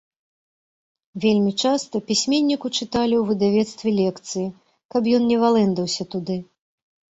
Вельмі часта пісьменніку чыталі ў выдавецтве лекцыі, каб ён не валэндаўся туды.